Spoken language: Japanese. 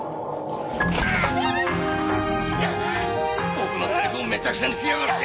僕のセリフをめちゃくちゃにしやがって！